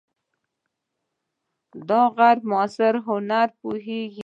د غرب معاصر هنر پوهیږئ؟